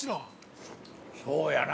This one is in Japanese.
◆そうやな。